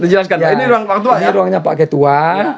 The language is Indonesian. ini ruangnya pak ketua